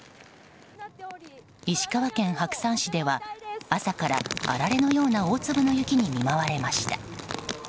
石川県白山市では朝からあられのような大粒の雪に見舞われました。